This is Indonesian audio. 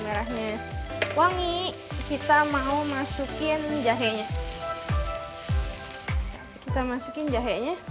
merahnya wangi kita mau masukin jahenya kita masukin jahenya jahe baru sardennya